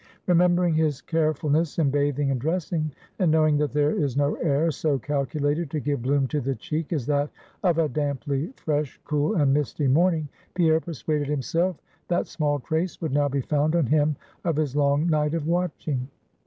Remembering his carefulness in bathing and dressing; and knowing that there is no air so calculated to give bloom to the cheek as that of a damply fresh, cool, and misty morning, Pierre persuaded himself that small trace would now be found on him of his long night of watching.